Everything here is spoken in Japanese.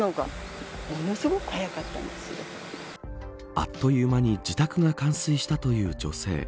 あっという間に自宅が冠水したという女性。